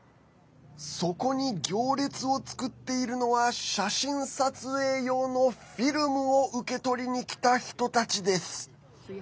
そこに行列を作っているのは写真撮影用のフィルムを受け取りに来た人たちです。